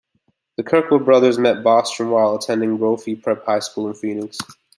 The Kirkwood brothers met Bostrom while attending Brophy Prep High School in Phoenix.